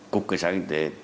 cục cơ sở kinh tế